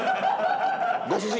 ご主人。